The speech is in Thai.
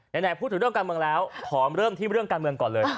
ไหนพูดถึงเรื่องการเมืองแล้วขอเริ่มที่เรื่องการเมืองก่อนเลย